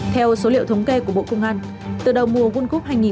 theo số liệu thống kê của bộ công an từ đầu mùa world cup hai nghìn hai mươi